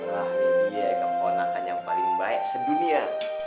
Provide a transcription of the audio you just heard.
alah ini dia ya keponakan yang paling baik sedunia